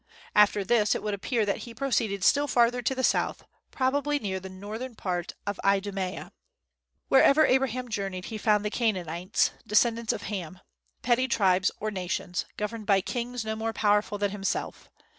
After this it would appear that he proceeded still farther to the south, probably near the northern part of Idumaea. Wherever Abram journeyed he found the Canaanites descendants of Ham petty tribes or nations, governed by kings no more powerful than himself.